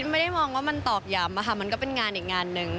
ไม่ได้มองว่ามันตอกย้ำอะค่ะมันก็เป็นงานอีกงานนึง